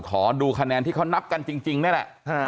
ขอดูคะแนนที่เขานับกันจริงนี่แหละ